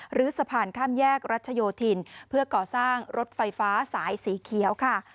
หรือสะพานข้ามแยกรัชโยธินเพื่อก่อสร้างรถไฟฟ้าสายสีเขียวค่ะ